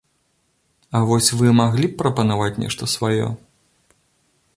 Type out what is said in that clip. А вось вы маглі б прапанаваць нешта сваё?